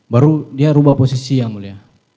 baru dia rubah posisi ya mulia